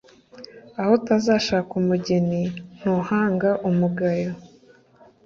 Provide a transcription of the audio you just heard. Aho utazashaka umugeni ntuhanga umugayo.